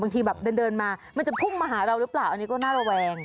บางทีแบบเดินมามันจะพุ่งมาหาเราหรือเปล่าอันนี้ก็น่าระแวง